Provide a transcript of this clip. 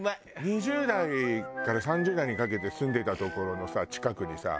２０代から３０代にかけて住んでた所の近くにさ